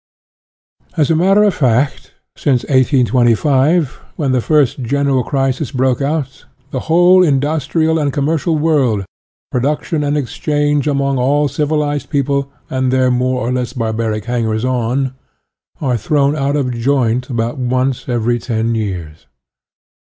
As a matter of fact, since 1825, when the first general crisis broke out, the whole industrial and commercial world, produc tion and exchange among all civilized peo ples and their more or less barbaric hangers on, are thrown out of joint about once every ten years.